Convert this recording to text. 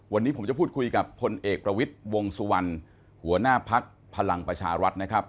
วันนี้ผมจะพูดคุยกับพลเอกประวิทย์วงสุวรรณหัวหน้าภักดิ์พลังประชารัฐนะครับ